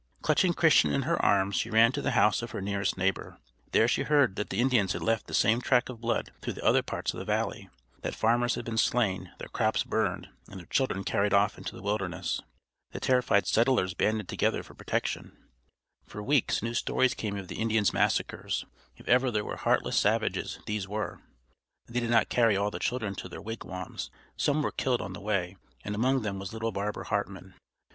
Clutching Christian in her arms she ran to the house of her nearest neighbor. There she heard that the Indians had left the same track of blood through other parts of the valley; that farmers had been slain; their crops burned; and their children carried off into the wilderness. The terrified settlers banded together for protection. For weeks new stories came of the Indians' massacres. If ever there were heartless savages these were! They did not carry all the children to their wigwams; some were killed on the way; and among them was little Barbara Hartman.